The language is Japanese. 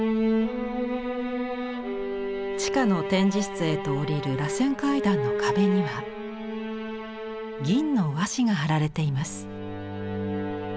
地下の展示室へと下りるらせん階段の壁には銀の和紙が貼られています。